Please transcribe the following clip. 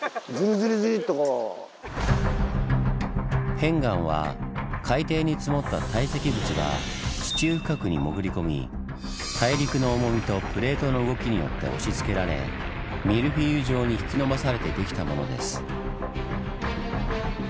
片岩は海底に積もった堆積物が地中深くに潜り込み大陸の重みとプレートの動きによって押しつけられミルフィーユ状に引き伸ばされてできたものです。